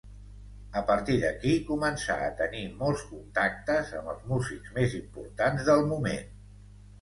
A partir d’aquí començà a tenir molts contactes amb els músics més importants del moment.